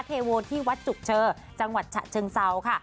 โวนที่วัดจุกเชอจังหวัดฉะเชิงเซาค่ะ